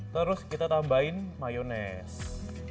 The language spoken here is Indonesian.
terus kita tambahin mayonese